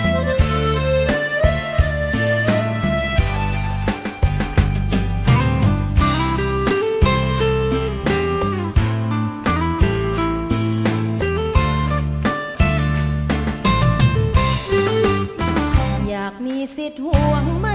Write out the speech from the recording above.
ขอขอบคุณให้ยิ่งไร่